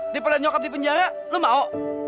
daripada nyokap di penjara lu mau